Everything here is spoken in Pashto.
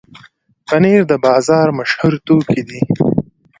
پنېر د بازار مشهوره توکي دي.